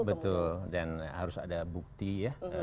betul dan harus ada bukti ya